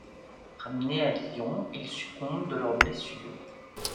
Ramenés à Lyon ils succombent de leurs blessures.